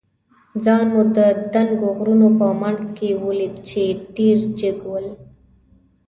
ځان مو د دنګو غرونو په منځ کې ولید، چې ډېر جګ ول.